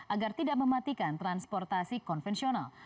agar tidak mematikan transportasi konvensional